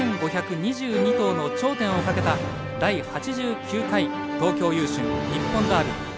７５２２頭の頂点をかけた第８９回東京優駿日本ダービー。